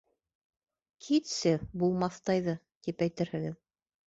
«Китсе, булмаҫтайҙы!» тип әйтерһегеҙ.